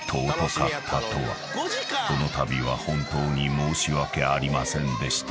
［このたびは本当に申し訳ありませんでした］